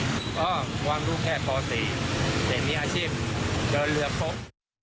ก็วางรูแค่ต๔เสร็จมีอาชีพเจอเรือปุ๊บ